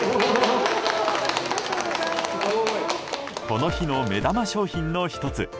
この日の目玉商品の１つ